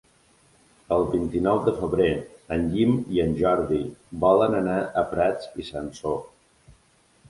El vint-i-nou de febrer en Guim i en Jordi volen anar a Prats i Sansor.